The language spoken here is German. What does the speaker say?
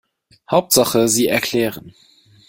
Hauptsache, Sie erklären.